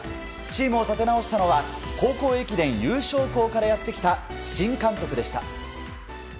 チームを立て直したのは高校駅伝優勝校からやってきた新監督でした。